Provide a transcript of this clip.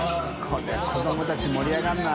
これ子どもたち盛り上がるな。